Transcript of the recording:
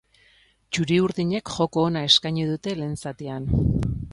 Txuri-urdinek joko ona eskaini dute lehen zatian.